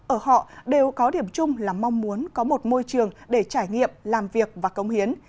ở họ đều có điểm chung là mong muốn có một môi trường để trải nghiệm làm việc và công hiến